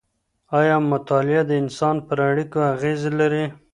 ایا مطالعه د انسان پر اړیکو اغېز لري؟